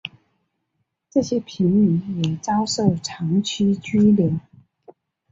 这些平民也遭受长期拘留。